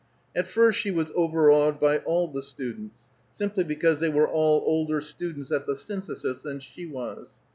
At first she was overawed by all the students, simply because they were all older students at the Synthesis than she was.